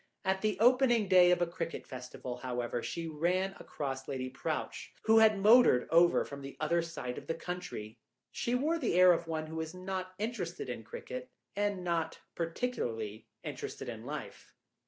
At the opening day of a cricket festival, however, she ran across Lady Prowche, who had motored over from the other side of the county. She wore the air of one who is not interested in cricket and not particularly interested in life.